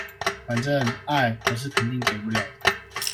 反正，愛，我是肯定給不了的